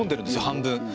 半分。